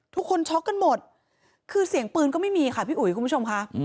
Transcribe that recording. ช็อกกันหมดคือเสียงปืนก็ไม่มีค่ะพี่อุ๋ยคุณผู้ชมค่ะ